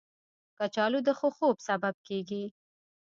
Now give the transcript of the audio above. کچالو د ښه خوب سبب کېږي